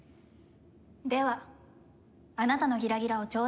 ではあなたのギラギラをちょうだいします。